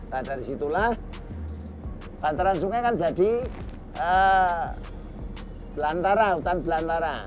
nah dari situlah bantaran sungai kan jadi belantara hutan belantara